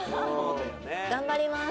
頑張ります。